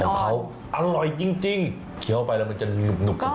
ของเขาอร่อยจริงเคี้ยวไปแล้วมันจะหนุบ